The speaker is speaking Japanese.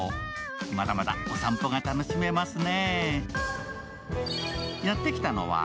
まだまだお散歩が楽しめますね。